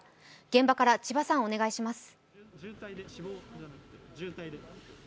現場から千葉さん、お願いします。